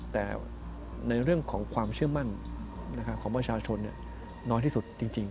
แต่ในเรื่องของความเชื่อมั่นของประชาชนน้อยที่สุดจริง